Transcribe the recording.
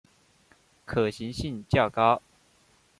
可行性较高